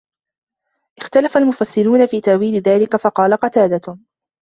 اخْتَلَفَ الْمُفَسِّرُونَ فِي تَأْوِيلِ ذَلِكَ فَقَالَ قَتَادَةُ